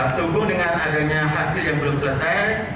sungguh dengan adanya hasil yang belum selesai